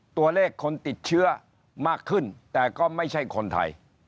ตัวเลขคนติดเชื้อมากขึ้นแต่ก็ไม่ใช่คนไทย